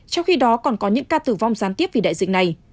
trong khi đó còn có những ca tử vong gián tiếp vì đại dịch này